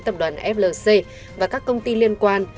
tập đoàn flc và các công ty liên quan